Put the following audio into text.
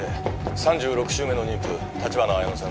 ３６週目の妊婦立花彩乃さん